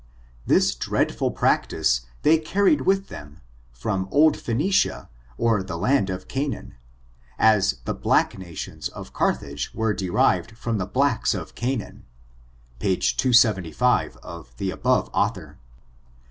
This dreadful practice they carried with them, from old Phcsnicia or the land of Canaan, as the black nations of CarthJsige were de rived from the blacks of Canaan, page 276 of the above author.